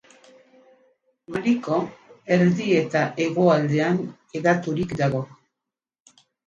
Maliko erdi eta hegoaldean hedaturik dago.